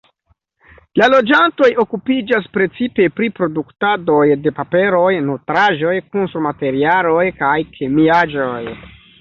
La loĝantoj okupiĝas precipe pri produktadoj de paperoj, nutraĵoj, konstrumaterialoj kaj kemiaĵoj.